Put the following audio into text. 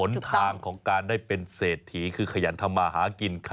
นทางของการได้เป็นเศรษฐีคือขยันทำมาหากิน